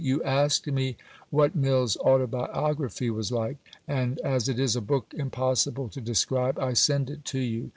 You asked me what Mill's Autobiography was like: and as it is a book impossible to describe, I send it to you.